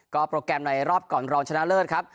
โปรแกรมในรอบก่อนรองชนะเลิศครับ